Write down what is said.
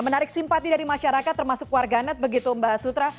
menarik simpati dari masyarakat termasuk warganet begitu mbak sutra